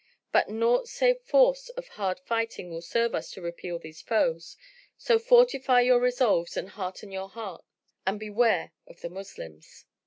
But naught save force of hard fighting will serve us to repel these foes; so fortify your resolves and hearten your hearts and beware of the Moslems."